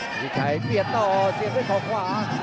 พี่ชิคชัยเปลี่ยนต่อเสียด้วยขอขวา